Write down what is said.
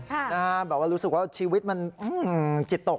แบบว่ารู้สึกว่าชีวิตมันจิตตก